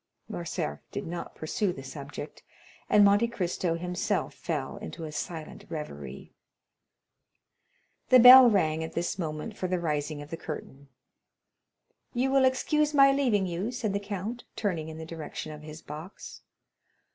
Morcerf did not pursue the subject, and Monte Cristo himself fell into a silent reverie. The bell rang at this moment for the rising of the curtain. "You will excuse my leaving you," said the count, turning in the direction of his box.